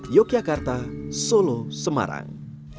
yogyakarta solo semarang